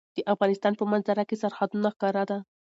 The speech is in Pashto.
د افغانستان په منظره کې سرحدونه ښکاره ده.